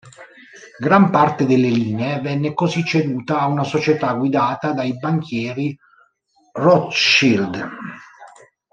Gran parte delle linee venne così ceduta a una società guidata dai banchieri Rothschild.